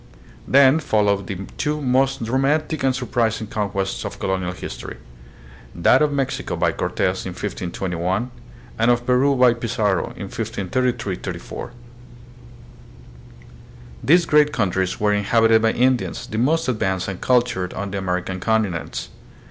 Then followed the two most romantic and surprising conquests of colonial history, that of Mexico by Cortes in 1521, and of Peru by Pizarro in 1533 34. These great countries were in habited by Indians, the most advanced and cultured on the American continents.